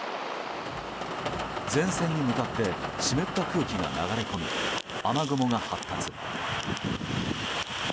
前線に向かって湿った空気が流れ込み雨雲が発達。